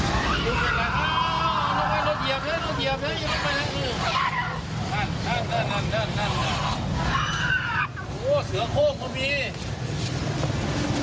อ้าวนั่นไงนั่นเหยียบนั่นเหยียบนั่นเหยียบ